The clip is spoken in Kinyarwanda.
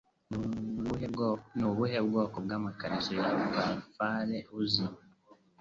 Ni ubuhe bwoko bwa makariso ya Farfalle uzi?